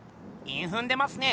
インふんでますね